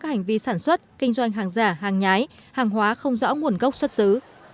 các hành vi sản xuất kinh doanh hàng giả hàng nhái hàng hóa không rõ nguồn gốc xuất xứ